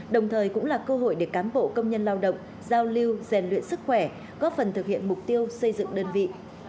đồng thời cũng là cơ hội để cán bộ công nhân lao động giao lưu rèn luyện sức khỏe góp phần thực hiện mục tiêu xây dựng đơn vị